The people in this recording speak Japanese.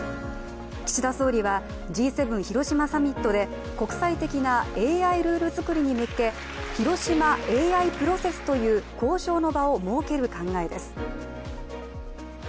岸田総理は、Ｇ７広島サミットで国際的なＡＩルール作りに向け広島ＡＩプロセスという交渉の場を設ける考えです。